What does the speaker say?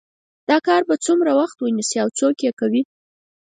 دا کار به څومره وخت ونیسي او څوک یې کوي